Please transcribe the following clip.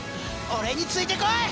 俺についてこい！